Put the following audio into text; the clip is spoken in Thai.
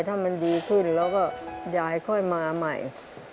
ถ้ามันดีขึ้นแล้วก็ยายค่อยมาใหม่